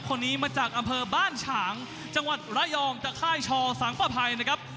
คนนี้มาจากอำเภอบ้านฉางจังหวัดระยองจากค่ายชอสังประภัยนะครับ